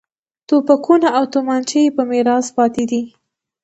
توپکونه او تومانچې یې په میراث پاتې دي.